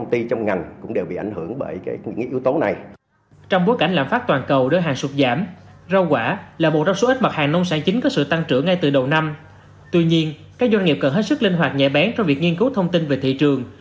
nói chung các doanh nghiệp cần hết sức linh hoạt nhẹ bén trong việc nghiên cứu thông tin về thị trường